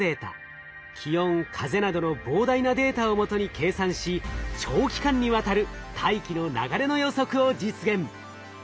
気温風などの膨大なデータを基に計算し長期間にわたる大気の流れの予測を実現。